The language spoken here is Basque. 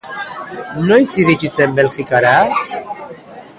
Noiz iritsi zen Belgikara?